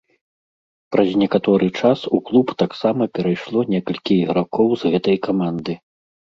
Праз некаторы час у клуб таксама перайшло некалькі ігракоў з гэтай каманды.